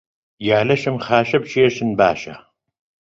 یا لەشم خاشە بکێشن باشە